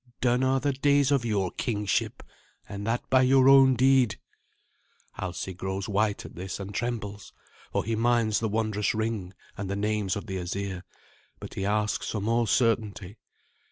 Done are the days of your kingship, and that by your own deed." Alsi grows white at this and trembles, for he minds the wondrous ring and the names of the Asir, but he asks for more certainty.